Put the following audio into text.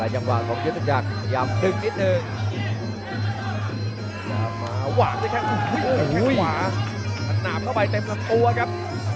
แล้วก็วงนายเป็นของยุทธกักเห็นได้ชัดแล้วครับ